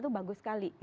itu bagus sekali